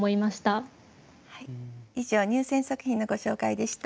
以上入選作品のご紹介でした。